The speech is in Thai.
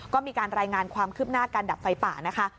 ก็มีการรายงานความคืบหน้าการดับไฟป่านะคะ